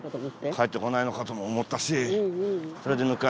帰ってこないのかとも思ったし。